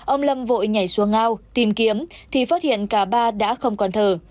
ông lâm vội nhảy xuống ao tìm kiếm thì phát hiện cả ba đã không còn thở